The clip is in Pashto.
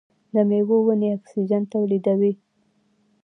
د میوو ونې اکسیجن تولیدوي.